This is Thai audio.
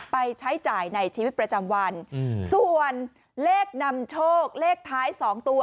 ไปใช้จ่ายในชีวิตประจำวันอืมส่วนเลขนำโชคเลขท้ายสองตัว